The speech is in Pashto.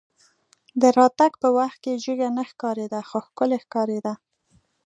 د راتګ په وخت کې جګه نه ښکارېده خو ښکلې ښکارېده.